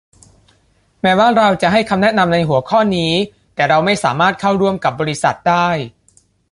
แม้ว่าเราจะให้คำแนะนำในหัวข้อนี้ แต่เราไม่สามารถเข้าร่วมกับบริษัทได้